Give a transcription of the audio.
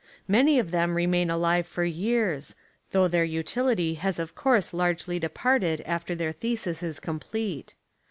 Many of them remain alive for years, though their util ity has of course largely departed after their thesis is complete.